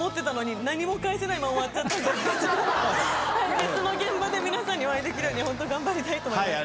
別の現場で皆さんにお会いできるように本当頑張りたいと思います